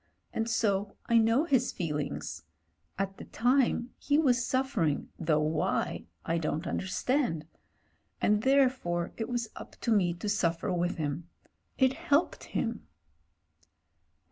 And so I know his feelings. At the time, he was suffering though why I don't understand; and there fore it was up to me to suffer with him. It helped him."